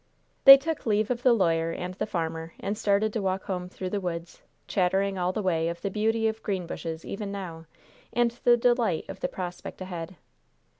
They took leave of the lawyer and the farmer, and started to walk home through the woods, chattering all the way of the beauty of Greenbushes even now, and the delight of the prospect ahead.